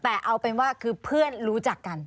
แต่เอาเป็นว่าคือเพื่อนรู้จักกัน